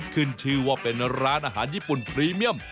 ขึ้นชื่อว่าเป็นร้านอาหารญี่ปุ่นพรีเมียม